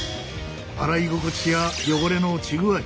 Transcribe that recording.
洗い心地や汚れの落ち具合